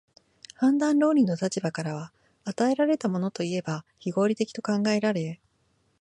判断論理の立場からは、与えられたものといえば非合理的と考えられ、